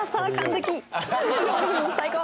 最高！